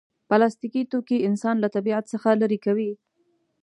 پلاستيکي توکي انسان له طبیعت څخه لرې کوي.